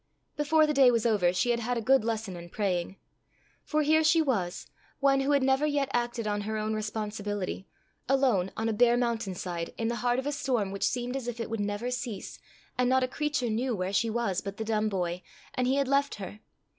Before the day was over, she had had a good lesson in praying. For here she was, one who had never yet acted on her own responsibility, alone on a bare mountain side, in the heart of a storm which seemed as if it would never cease, and not a creature knew where she was but the dumb boy, and he had left her!